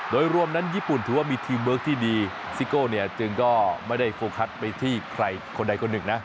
โดยรวมนั้นญี่ปุ่นถือว่ามีทีมเวิร์คที่ดีซิโก้เนี่ยจึงก็ไม่ได้โฟกัสไปที่ใครคนใดคนหนึ่งนะ